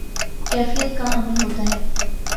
کیفیت کا حامل ہوتا ہے